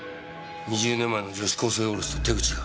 ２０年前の女子高生殺しと手口が。